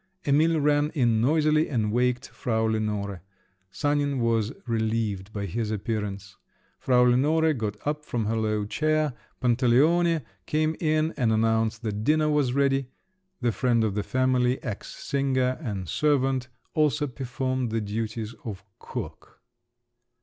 Emil ran in noisily and waked Frau Lenore … Sanin was relieved by his appearance. Frau Lenore got up from her low chair. Pantaleone came in and announced that dinner was ready. The friend of the family, ex singer, and servant also performed the duties of cook.